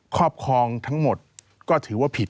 ครอบครองทั้งหมดก็ถือว่าผิด